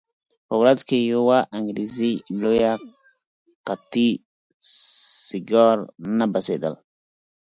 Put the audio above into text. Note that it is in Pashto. په ورځ کې یوه انګریزي لویه قطي سیګار نه بسېدل.